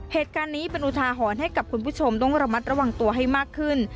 เหตุการณ์นี้เป็นอุทาหรณ์ให้กับคุณผู้ชมต้องระมัดระวังตัวให้มากขึ้น